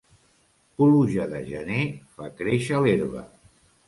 Pluja de gener fa créixer l'herba.